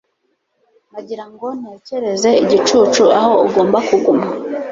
Nagira ngo ntekereze igicucu aho ugomba kuguma